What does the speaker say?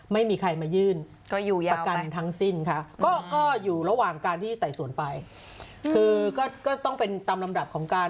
ไม่มีใครมายื่นประกันทั้งสิ้นค่ะก็อยู่ระหว่างการที่ไต่สวนไปคือก็ต้องเป็นตามลำดับของการ